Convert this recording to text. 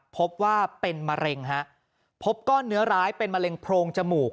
พบว่าเป็นมะเร็งฮะพบก้อนเนื้อร้ายเป็นมะเร็งโพรงจมูก